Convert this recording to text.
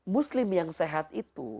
muslim yang sehat itu